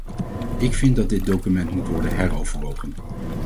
Ik vind dat dit document moet worden heroverwogen.